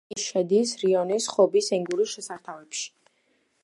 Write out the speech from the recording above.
იგი შედის რიონის, ხობის, ენგურის შესართავებში.